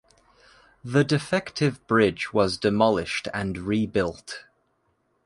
The defective bridge was demolished and rebuilt.